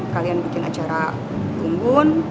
kalian bikin acara bumbun